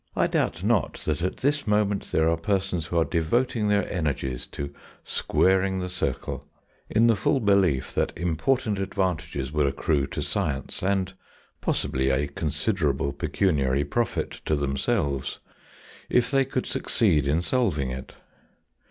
I doubt not that at this moment there are persons who are devoting their energies to Squaring the Circle, in the full belief that important advantages would accrue to science—and possibly a considerable pecuniary profit to themselves—if they could succeed in solving it.